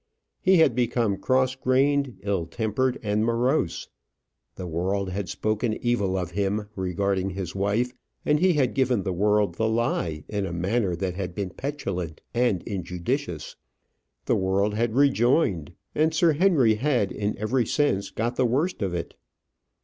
He had become cross grained, ill tempered, and morose. The world had spoken evil of him regarding his wife; and he had given the world the lie in a manner that had been petulant and injudicious. The world had rejoined, and Sir Henry had in every sense got the worst of it.